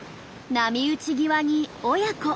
波打ち際に親子。